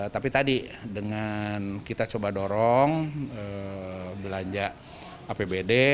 tapi tadi dengan kita coba dorong belanja apbd